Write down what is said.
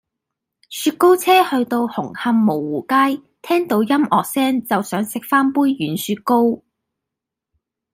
雪糕車去到紅磡蕪湖街聽到音樂聲就想食返杯軟雪糕